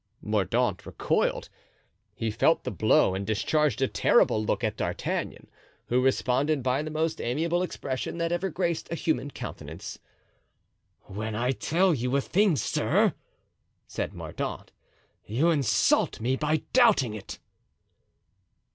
Mordaunt recoiled; he felt the blow and discharged a terrible look at D'Artagnan, who responded by the most amiable expression that ever graced a human countenance. "When I tell you a thing, sir," said Mordaunt, "you insult me by doubting it."